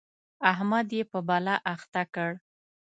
احمد يې په بلا اخته کړ.